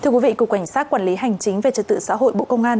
cục quản sát quản lý hành chính về trật tự xã hội bộ công an